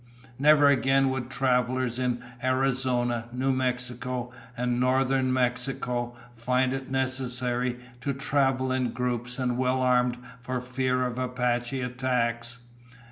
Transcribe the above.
Never again would travelers in Arizona, New Mexico, and northern Mexico find it necessary to travel in groups and well armed for fear of Apache attacks.